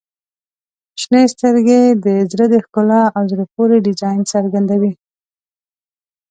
• شنې سترګې د زړه د ښکلا او زړه پورې ډیزاین څرګندوي.